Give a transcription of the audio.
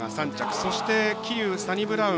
そして桐生、サニブラウン